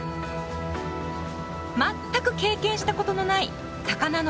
全く経験したことのない魚の養殖。